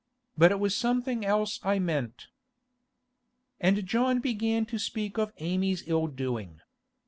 But it was something else I meant.' And John began to speak of Amy's ill doing.